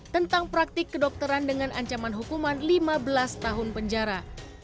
tentang praktik kedokteran dengan ancaman hukuman lima belas tahun penjara